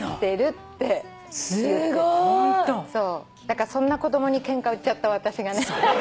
だからそんな子供にケンカ売っちゃった私がね。